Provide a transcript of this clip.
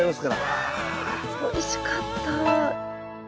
おいしかった。